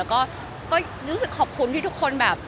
ขอบคุณทำทุกคน